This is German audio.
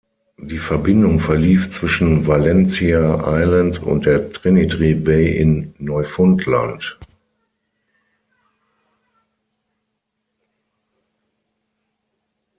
Die Verbindung verlief zwischen Valentia Island und der Trinity Bay in Neufundland.